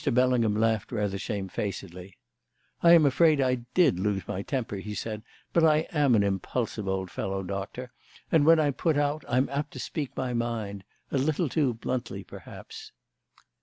Bellingham laughed rather shamefacedly. "I'm afraid I did lose my temper," he said; "but I am an impulsive old fellow, Doctor, and when I'm put out I'm apt to speak my mind a little too bluntly, perhaps."